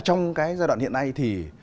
trong cái giai đoạn hiện nay thì